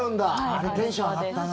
あれ、テンション上がったな。